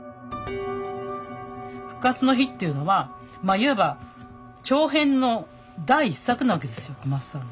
「復活の日」っていうのはいわば長編の第１作なわけですよ小松さんの。